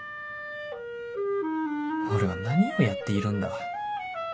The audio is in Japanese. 俺は何をやっているんだ？